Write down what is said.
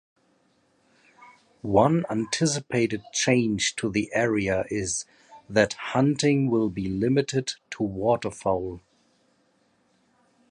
One anticipated change to the area is that hunting will be limited to waterfowl.